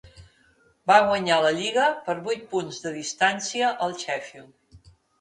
Van guanyar la lliga per vuit punts de distància al Sheffield.